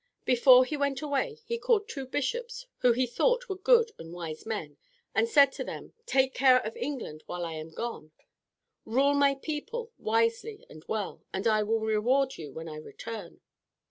Before he went away he called two bishops who he thought were good and wise men, and said to them: "Take care of England while I am gone. Rule my people wisely and well, and I will reward you when I return."